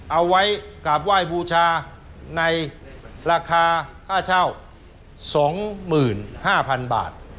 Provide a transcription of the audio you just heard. เอาไว้กราบไหว้บูชาในราคาค่าเช่าสองหมื่นห้าพันบาท